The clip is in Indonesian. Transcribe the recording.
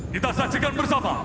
kita saksikan bersama